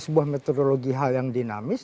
sebuah metodologi hal yang dinamis